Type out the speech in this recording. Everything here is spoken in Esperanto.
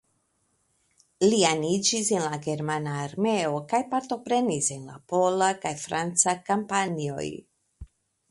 Li aniĝis en la germana armeo kaj partoprenis en la pola kaj franca kampanjoj.